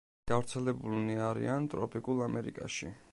გავრცელებულნი არიან ტროპიკულ ამერიკაში.